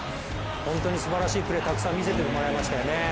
本当にすばらしいプレーたくさん見せてもらいましたよね。